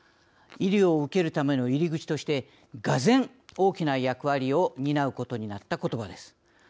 医療を受けるための入り口としてがぜん、大きな役割を担うことになったことばです。